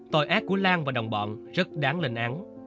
tội ác của lan và đồng bọn rất đáng lên án